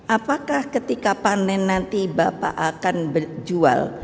apakah ketika panen nanti bapak akan berjual